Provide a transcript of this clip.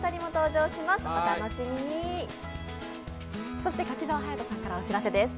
そして柿澤勇人さんからお知らせです。